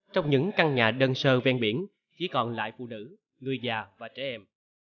trong những căn nhà đơn sơ ven biển chỉ còn lại phụ nữ người già và trẻ em